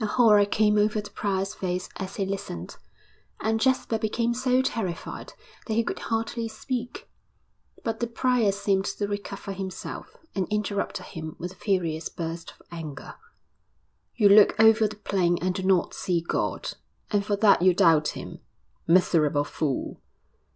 A horror came over the prior's face as he listened, and Jasper became so terrified that he could hardly speak; but the prior seemed to recover himself, and interrupted him with a furious burst of anger. 'You look over the plain and do not see God, and for that you doubt Him? Miserable fool!'